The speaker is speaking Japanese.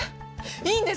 いいんですか？